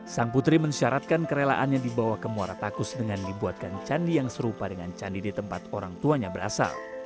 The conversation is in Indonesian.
sang putri mensyaratkan kerelaannya dibawa ke muara takus dengan dibuatkan candi yang serupa dengan candi di tempat orang tuanya berasal